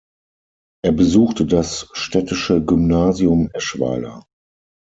Er besuchte das Städtische Gymnasium Eschweiler.